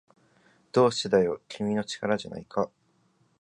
どうしてだよ、君の力じゃないか